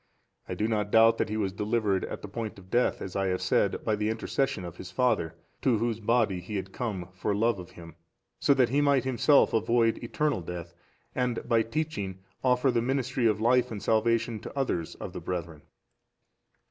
I do not doubt that he was delivered at the point of death, as I have said, by the intercession of his father, to whose body he had come for love of him, that so he might himself avoid eternal death, and by teaching, offer the ministry of life and salvation to others of the brethren.